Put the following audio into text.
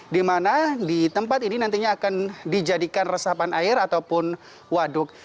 di mana di tempat ini nantinya akan dijadikan resapan air ataupun waduk